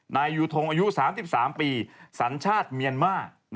นายยูทงอายุ๓๓ปีสัญชาติเมียนมาร์